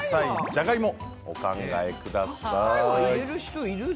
お考えください。